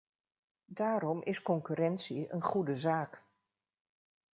Daarom is concurrentie een goede zaak.